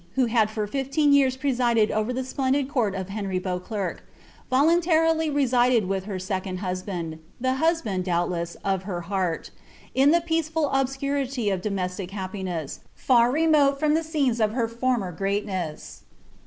«ho had for fifleen years presided over the splendid court of Hnrj Beaoclerc, voluniarily resided with her iccond husband — the bubwid, doubtless, of her heiirt — in the peaceful obscurity of domestic h^pituiM. far remold from the scenes of her former greatness.